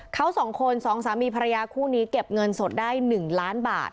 เขาสองคนสองสามีภรรยาคู่นี้เก็บเงินสดได้๑ล้านบาท